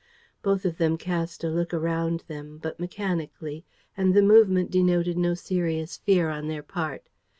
..." Both of them cast a look around them, but mechanically; and the movement denoted no serious fear on their part.